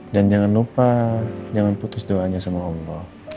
dan jangan lupa jangan putus doanya sama allah